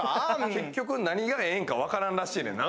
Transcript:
結局何がええのか分からんらしいんよな。